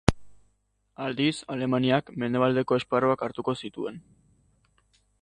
Aldiz, Alemaniak, mendebaldeko esparruak hartuko zituen.